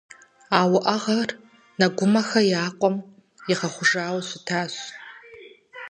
А уӀэгъэр Нэгумэхэ я къуэм игъэхъужауэ щытащ.